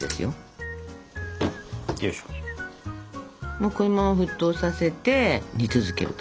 もうこのまま沸騰させて煮続けると。